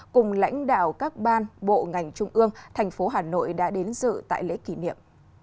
cùng lãnh đạo các ban bộ ngành trung ương thành phố hà nội đã đến dự tại lễ kỷ niệm